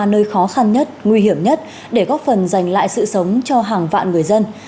nơi khó khăn nhất nguy hiểm nhất để góp phần dành lại sự sống cho hàng vạn người dân